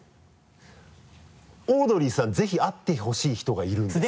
「オードリーさん、ぜひ会ってほしい人がいるんです。」